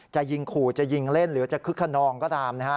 จะยิงขู่จะยิงเล่นหรือจะคึกขนองก็ตามนะฮะ